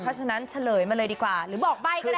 เพราะฉะนั้นเฉลยมาเลยดีกว่าหรือบอกใบ้ก็ได้